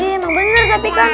iya emang bener tapi kan